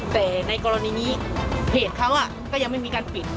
แต่ในกรณีนี้เพจเขาก็ยังไม่มีการปิด